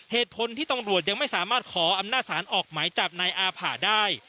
เหตุผลที่ตำรวจยังไม่สามารถขออำนาจศาลออกหมายจับนายอาผ่าได้